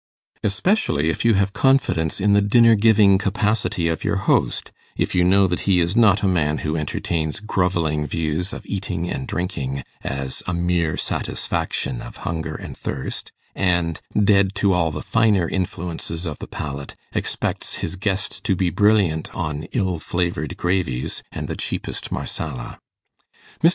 Especially if you have confidence in the dinner giving capacity of your host if you know that he is not a man who entertains grovelling views of eating and drinking as a mere satisfaction of hunger and thirst, and, dead to all the finer influences of the palate, expects his guest to be brilliant on ill flavoured gravies and the cheapest Marsala. Mr.